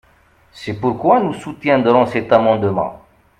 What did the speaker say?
C’est pourquoi nous soutiendrons cet amendement.